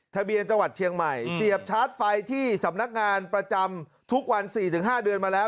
ทะเบียนจังหวัดเชียงใหม่เสียบชาร์จไฟที่สำนักงานประจำทุกวัน๔๕เดือนมาแล้ว